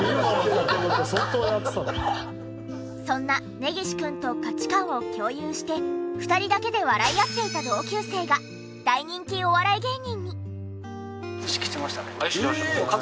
そんな根岸くんと価値観を共有して２人だけで笑い合っていた同級生が大人気お笑い芸人に！